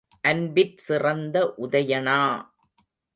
அன்பிற் சிறந்த உதயணா!